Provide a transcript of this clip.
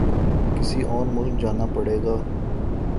کسی اور ملک جانا پڑے گا